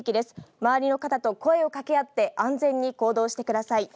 周りの方と声をかけ合って安全に行動してください。